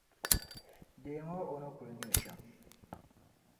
Deemi o o ni kuli nyɛ shɛm.